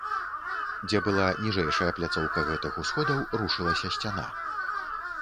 Дзе была ніжэйшая пляцоўка гэтых усходаў, рушылася сцяна.